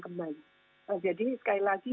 kembali jadi sekali lagi